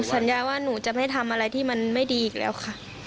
สัญญาว่าหนูจะไม่ทำอะไรที่มันไม่ดีอีกแล้วค่ะ